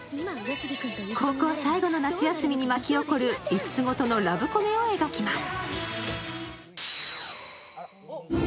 高校最後の夏休みに巻き起こる五つ子とのラブコメを描きます。